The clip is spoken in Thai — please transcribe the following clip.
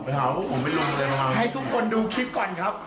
ไปหาเรื่องก่อนให้ทุกคนดูคลิปก่อนครับ